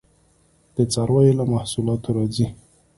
د څارویو له محصولاتو راځي